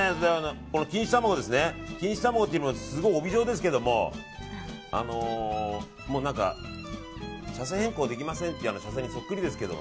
この錦糸卵ですね錦糸卵っていっても帯状ですけど何か車線変更できませんっていう車線にそっくりですけど。